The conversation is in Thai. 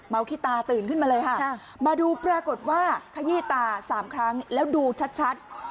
ขี้ตาตื่นขึ้นมาเลยค่ะมาดูปรากฏว่าขยี้ตา๓ครั้งแล้วดูชัด